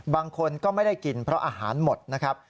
บางคนก็ไม่ได้กินเพราะอาหารหมดนะครับ